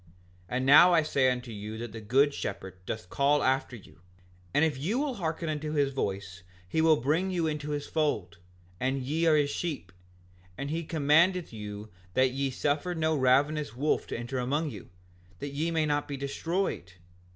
5:60 And now I say unto you that the good shepherd doth call after you; and if you will hearken unto his voice he will bring you into his fold, and ye are his sheep; and he commandeth you that ye suffer no ravenous wolf to enter among you, that ye may not be destroyed.